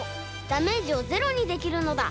ダメージをゼロにできるのだ！